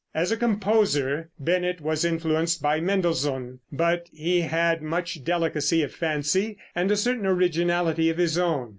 As a composer Bennett was influenced by Mendelssohn, but he had much delicacy of fancy and a certain originality of his own.